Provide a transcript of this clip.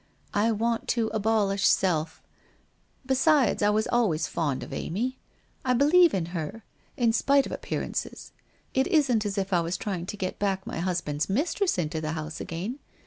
I want to abolish self. Besides, I was always fond of Amy. And I believe in her, in spite of appear ances. It isn't as if I was trying to get back my husband's mistress into the house again.